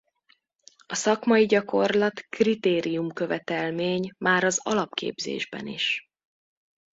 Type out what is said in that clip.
A szakmai gyakorlat kritérium követelmény már az alapképzésben is.